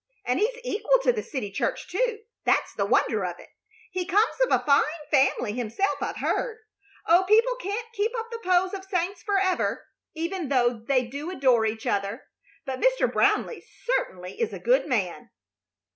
And he's equal to the city church, too; that's the wonder of it. He comes of a fine family himself, I've heard. Oh, people can't keep up the pose of saints forever, even though they do adore each other. But Mr. Brownleigh certainly is a good man!"